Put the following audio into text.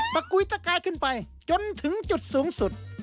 กุยตะกายขึ้นไปจนถึงจุดสูงสุด